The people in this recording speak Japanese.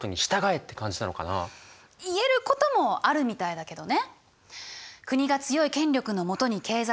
言えることもあるみたいだけどね。